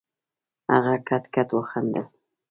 هغه کټ کټ وخندل.